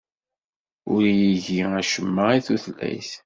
Ur igi acemma i tutlayt.